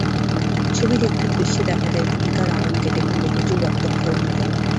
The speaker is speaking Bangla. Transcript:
ছবির একটি দৃশ্যে দেখা যায়, দীপিকার আঙুল কেটে ফেললে প্রচুর রক্তক্ষরণ হয়।